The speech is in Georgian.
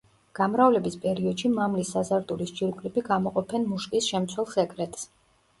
გამრავლების პერიოდში მამლის საზარდულის ჯირკვლები გამოყოფენ მუშკის შემცველ სეკრეტს.